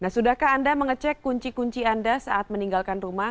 nah sudahkah anda mengecek kunci kunci anda saat meninggalkan rumah